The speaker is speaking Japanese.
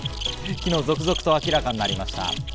昨日、続々と明らかになりました。